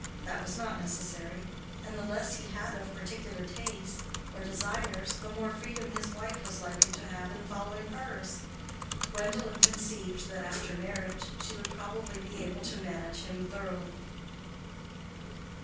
That was not necessary: and the less he had of particular tastes, or desires, the more freedom his wife was likely to have in following hers. Gwendolen conceived that after marriage she would most probably be able to manage him thoroughly.